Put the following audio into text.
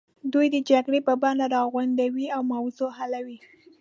دوی د جرګې په بڼه راغونډوي او موضوع حلوي.